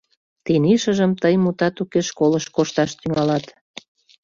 Тений шыжым тый, мутат уке, школыш кошташ тӱҥалат.